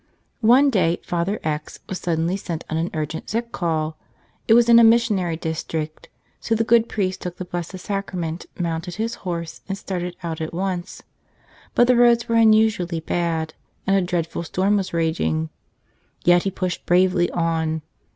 One day Father X was suddenly sent on an urgent sick call. It was in a missionary district, so the good priest took the Blessed Sacrament, mounted his horse, and started out at once. But the roads were unusually bad, and a dreadful storm was raging. Yet he pushed bravely on.